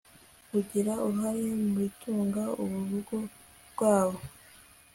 kugira uruhare mu bitunga urugo rwabo